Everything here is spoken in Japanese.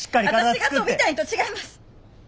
私が飛びたいんと違います。